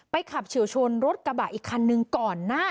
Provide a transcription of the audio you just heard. ขับเฉียวชนรถกระบะอีกคันนึงก่อนหน้า